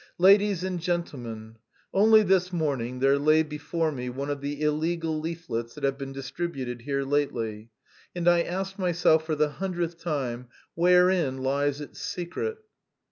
"Ladies and gentlemen! Only this morning there lay before me one of the illegal leaflets that have been distributed here lately, and I asked myself for the hundredth time, 'Wherein lies its secret?'"